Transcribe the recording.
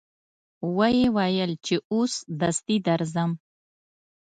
و یې ویل چې اوس دستي درځم.